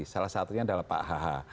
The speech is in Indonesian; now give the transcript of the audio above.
salah satunya adalah pak hh